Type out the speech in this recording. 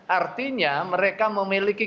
artinya mereka memiliki